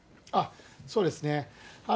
そうですね。